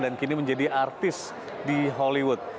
dan kini menjadi artis di hollywood